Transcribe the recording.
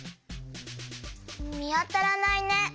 みあたらないね。